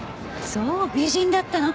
そう美人だったの？